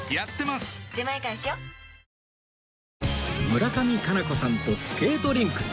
村上佳菜子さんとスケートリンクに